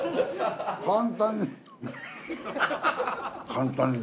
簡単に。